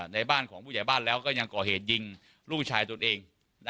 ในบ้านของผู้ใหญ่บ้านแล้วก็ยังก่อเหตุยิงลูกชายตนเอง